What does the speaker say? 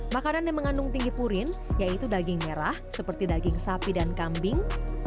makanan yang mengandung tinggi purin yaitu daging merah seperti daging sapi dan kambing